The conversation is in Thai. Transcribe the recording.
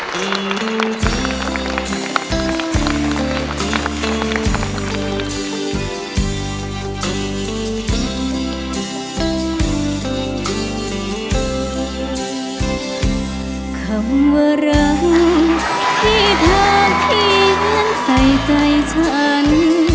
คำว่ารังที่ทางที่ยังใส่ใจฉัน